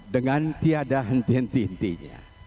dengan tiada henti hentinya